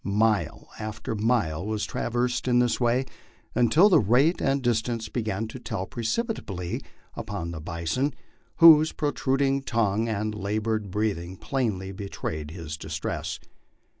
Mile after mile was traversed in this way, until the rate and distance began to tell perceptibly on the bison, whose protruding tongue and labored breathing plainly betrayed his distress.